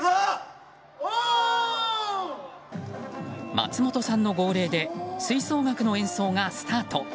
松本さんの号令で吹奏楽の演奏がスタート。